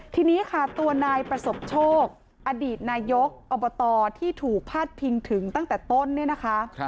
ทีนี้ค่ะตัวนายประสบโชคอดีตนายกอบตที่ถูกพาดพิงถึงตั้งแต่ต้นเนี่ยนะคะ